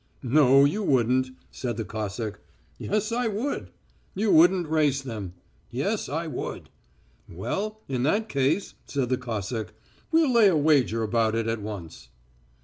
"No, you wouldn't," said the Cossack. "Yes, I would." "You wouldn't race them." "Yes, I would." "Well, in that case," said the Cossack, "we'll lay a wager about it at once."